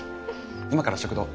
今から食堂。